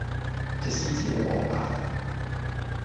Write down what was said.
隻獅子好惡呀